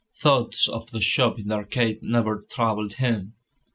Thoughts of the shop in the arcade never troubled him.